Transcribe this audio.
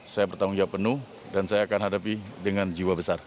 saya bertanggung jawab penuh dan saya akan hadapi dengan jiwa besar